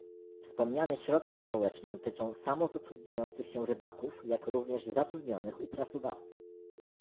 Wspomniane środki społeczne dotyczą samozatrudniających się rybaków, jak również zatrudnionych u pracodawcy